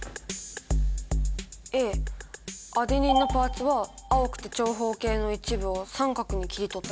Ａアデニンのパーツは青くて長方形の一部を三角に切り取ったみたい。